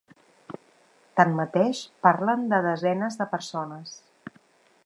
Tanmateix, parlen de ‘desenes’ de persones.